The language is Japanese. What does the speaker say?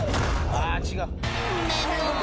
ああ違う